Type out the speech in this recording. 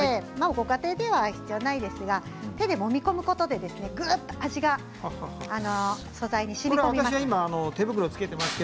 ご家庭では必要ないですが手でもみ込むことでぐっと味が素材にしみこみます。